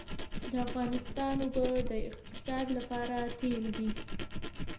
د افغانستان اوبه د اقتصاد لپاره تیل دي